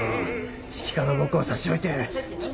指揮科の僕を差し置いて。